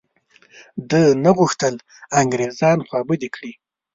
ده نه غوښتل انګرېزان خوابدي کړي.